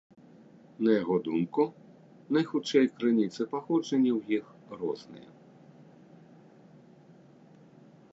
На яго думку, найхутчэй крыніцы паходжання ў іх розныя.